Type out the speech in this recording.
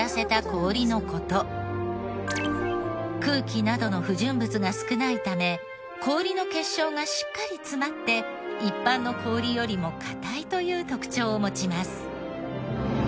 空気などの不純物が少ないため氷の結晶がしっかり詰まって一般の氷よりも硬いという特徴を持ちます。